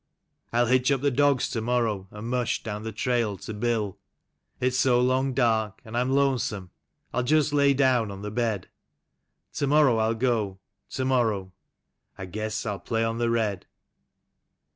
I'll hitch up the dogs to morrow, and mush down the trail to Bill. It's so long dark, and I'm lonesome — I'll just lay down on the bed. To morrow I'll go ... to morrow ... I guess I'll play on the red.